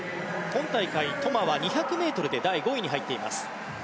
今大会、トマは２００ｍで第５位に入っています。